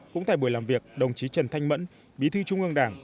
cũng tại buổi làm việc đồng chí trần thanh mẫn bí thư trung ương đảng